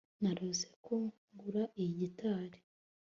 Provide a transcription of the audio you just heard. narose ko ngura iyi gitari